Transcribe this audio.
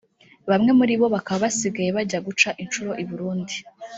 bamwe mu ribo bakaba basigaye bajya guca incuro i Burundi